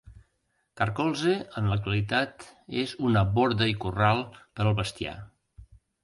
Carcolze, en l'actualitat, és una borda i corral per al bestiar.